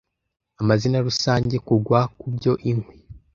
Amazina rusange - Kugwa kubyo Inkwi